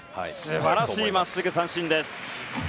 素晴らしいまっすぐで三振です。